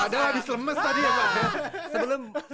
ada habis lemes tadi ya pak